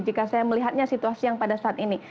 jika saya melihatnya situasi yang pada saat ini